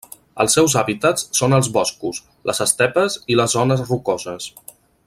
Els seus hàbitats són els boscos, les estepes i les zones rocoses.